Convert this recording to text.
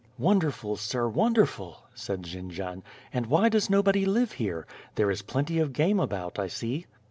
"Wonderful, sir, wonderful," said Jendrian, "and why does nobody live here? There is plenty of game about, I see."